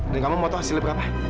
dan kamu mau tahu hasilnya berapa